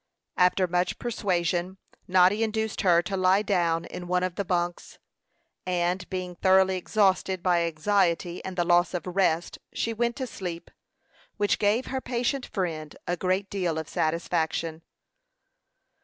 After much persuasion, Noddy induced her to lie down in one of the bunks, and being thoroughly exhausted by anxiety and the loss of rest, she went to sleep, which gave her patient friend a great deal of satisfaction.